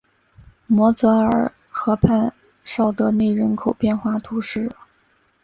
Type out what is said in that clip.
摩泽尔河畔绍德内人口变化图示